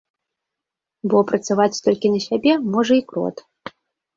Бо працаваць толькі на сябе можа і крот.